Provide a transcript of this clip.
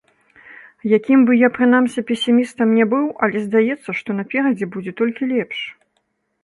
Якім бы я, прынамсі, песімістам ні быў, але здаецца, што наперадзе будзе толькі лепш.